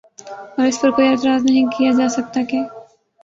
اور اس پر کوئی اعتراض نہیں کیا جا سکتا کہ